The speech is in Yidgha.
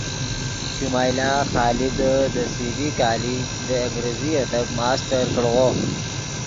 شمائلہ خادے دے سی بی کالج دے انگریزی ادب ماسٹر کڑغو